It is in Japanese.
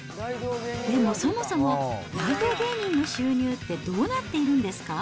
でもそもそも、大道芸人の収入って、どうなっているんですか？